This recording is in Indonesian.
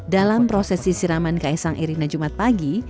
dalam prosesi siraman kaisang irina jumat pagi